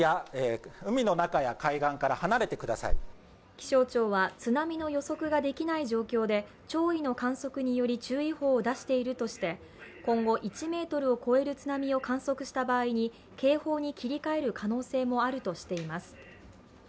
気象庁は津波の予測ができない状況で潮位の観測により、注意報を出しているとして今後、１ｍを超える津波を観測した場合に警報に切り替える可能性もあるとしています。